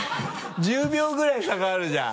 １０秒ぐらい差があるじゃん。